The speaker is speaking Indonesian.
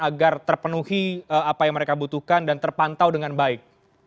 agar terpenuhi apa yang mereka butuhkan dan terpantau dengan baik